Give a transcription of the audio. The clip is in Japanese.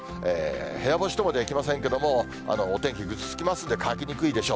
部屋干しとまではいきませんけれども、お天気ぐずつきますんで、乾きにくいでしょう。